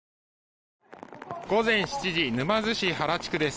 午前７時沼津市原地区です。